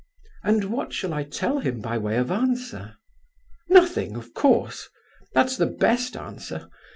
"And what shall I tell him by way of answer?" "Nothing—of course! That's the best answer.